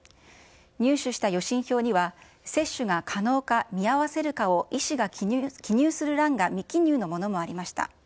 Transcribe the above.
入手した予診票には、接種が可能か見合わせるかを、医師が記入する欄が未記入のものもありました。